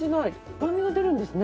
甘みが出るんですね。